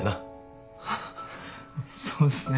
そうっすね。